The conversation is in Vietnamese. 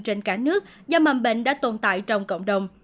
trên cả nước do mầm bệnh đã tồn tại trong cộng đồng